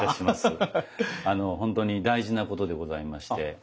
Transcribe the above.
本当に大事なことでございまして。